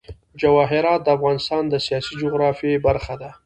جواهرات د افغانستان د سیاسي جغرافیه برخه ده.